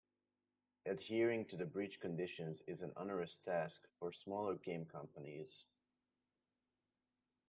Adhering to the breach conditions is an onerous task for smaller game companies.